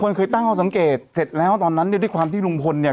คนเคยตั้งข้อสังเกตเสร็จแล้วตอนนั้นเนี่ยด้วยความที่ลุงพลเนี่ย